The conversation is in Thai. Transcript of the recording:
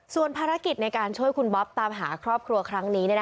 ส่วนภารกิจในการช่วยคุณบ๊อบตามหาครอบครัวครั้งนี้